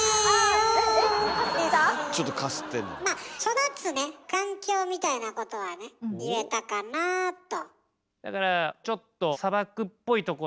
まあ育つね環境みたいなことはね言えたかなと。